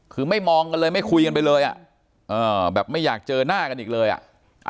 คือไม่มองกันเลยไม่คุยกันไปเลยอ่ะแบบไม่อยากเจอหน้ากันอีกเลยอ่ะ